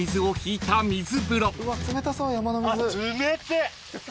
冷てえ。